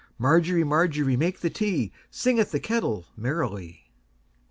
Margery, Margery, make the tea, Singeth the kettle merrily.